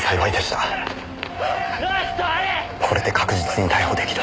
これで確実に逮捕出来る。